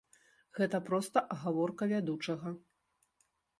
Гэта проста агаворка вядучага.